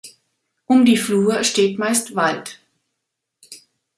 Um die Flur steht meist Wald.